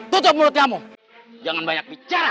tujuan mulut kamu jangan banyak bicara